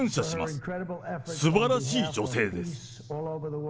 すばらしい女性です。